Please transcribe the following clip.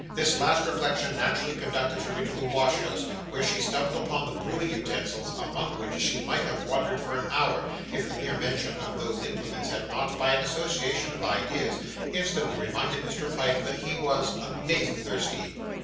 This last reflection naturally conducted her into the wash house, where she stumbled upon the brewing utensils, among which she might have wandered for an hour, if the mere mention of those implements had not, by an association of ideas, instantly reminded Mr. Pyke that he was 'amazing thirsty.